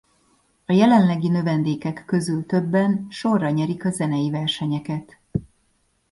A jelenlegi növendékek közül többen sorra nyerik a zenei versenyeket.